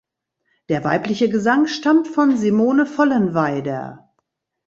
Der weibliche Gesang stammt von Simone Vollenweider.